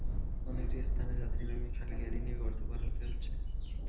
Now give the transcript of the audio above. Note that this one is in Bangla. অনেক স্থানে যাত্রী নামিয়ে খালি গাড়ি নিয়ে গর্ত পার হতে হচ্ছে।